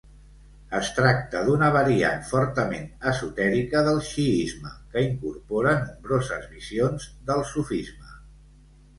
Es tracta d'una variant fortament esotèrica del xiisme que incorpora nombroses visions del sufisme.